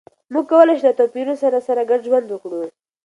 موږ کولای شو له توپیرونو سره سره ګډ ژوند وکړو.